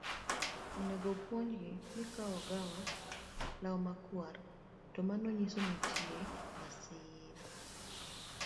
Bende onego opuonjgi ni ka ogaw law makwar to mano nyiso ni nitie masira